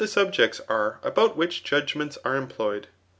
8tlB{)eet3 are about which judgments are employed.